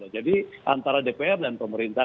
jadi antara dpr dan pemerintah